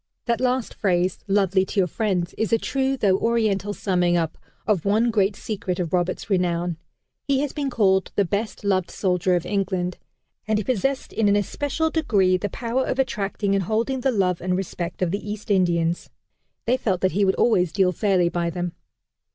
That last phrase, "lovely to your friends," is a true though Oriental summing up of one great secret of Roberts' renown. He has been called the "best loved soldier of England." And he possessed in an especial degree the power of attracting and holding the love and respect of the East Indians. They felt that he would always deal fairly by them.